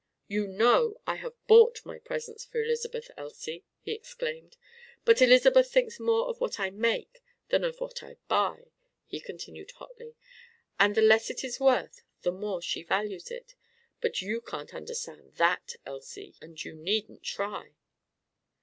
"You know I have bought my presents for Elizabeth, Elsie!" he exclaimed. "But Elizabeth thinks more of what I make than of what I buy," he continued hotly. "And the less it is worth, the more she values it. But you can't understand that, Elsie! And you needn't try!"